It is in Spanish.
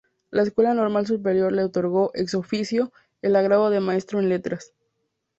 La Escuela Normal Superior le otorgó "ex oficio" el grado de Maestro en Letras.